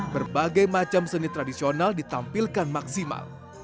berbagai macam seni tradisional ditampilkan maksimal